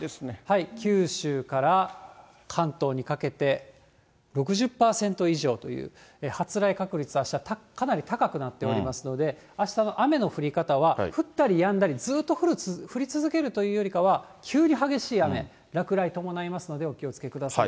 九州から関東にかけて６０％以上という、発雷確率、あしたかなり高くなっておりますので、あしたの雨の降り方は、降ったりやんだり、ずっと降り続けるというよりかは、急に激しい雨、落雷伴いますので、お気をつけください。